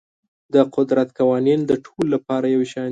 د قدرت قوانین د ټولو لپاره یو شان دي.